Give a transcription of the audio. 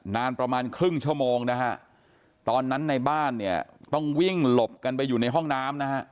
นานประมาณครึ่งชั่วโมงนะฮะตอนนั้นในบ้านเนี่ยต้องวิ่งหลบกันไปอยู่ในห้องน้ำนะฮะ